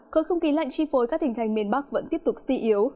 khối không khí lạnh chi phối các tỉnh thành miền bắc vẫn tiếp tục suy yếu